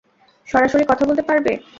সরাসরি কথা বলতে পারবে?